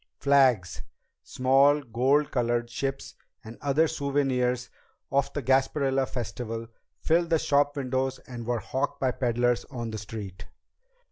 Flags, small gold colored ships, and other souvenirs of the Gasparilla Festival filled the shopwindows and were hawked by peddlers on the street.